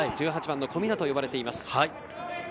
１８番の小湊が呼ばれています。